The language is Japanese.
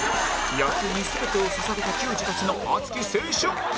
野球に全てを捧げた球児たちの熱き青春！